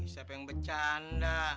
siapa yang bercanda